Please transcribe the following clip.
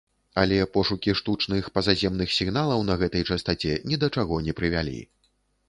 Але, пошукі штучных пазаземных сігналаў на гэтай частаце ні да чаго не прывялі.